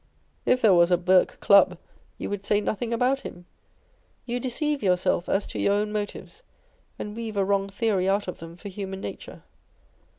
If there was a Burke Club, you would say nothing about him. You deceive yourself as to your own motives, and weave a wrong theory out of them for human nature.